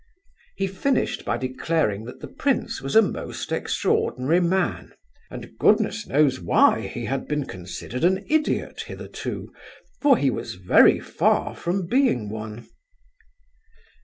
He finished by declaring that the prince was a most extraordinary man, and goodness knows why he had been considered an idiot hitherto, for he was very far from being one.